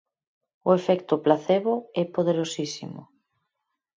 O efecto placebo é poderosísimo.